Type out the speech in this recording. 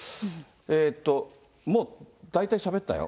もう大体しゃべったよ。